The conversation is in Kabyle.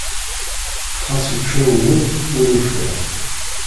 Xas yeččuṛ wul ur ufiɣ.